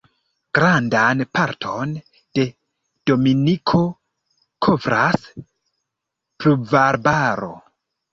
Grandan parton de Dominiko kovras pluvarbaro.